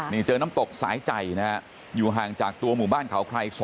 นี่เจอน้ำตกสายใจนะฮะอยู่ห่างจากตัวหมู่บ้านเขาใคร๒